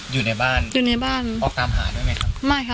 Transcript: เกิดเห็นอยู่ในบ้านออกตามหาด้วยไหมครับ